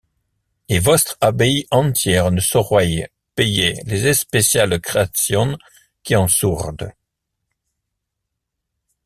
Et vostre abbaye entière ne sçauroyt payer les espéciales créations qui en sourdent.